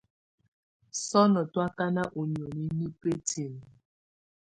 Sɔ́nɔ̀ tú ákáná ú nióni nɛ́ bǝ́tinǝ́.